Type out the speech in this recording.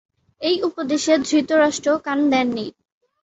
এই উপদেশে ধৃতরাষ্ট্র কান দেন নি।